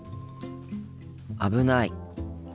危ない。